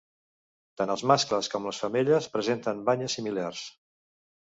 Tant els mascles com les femelles presenten banyes similars.